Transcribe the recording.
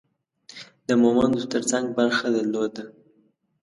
د مومندو ترڅنګ برخه درلوده.